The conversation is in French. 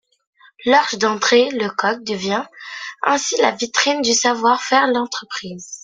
La Horch d’André Lecoq devient ainsi la vitrine du savoir-faire de l’entreprise.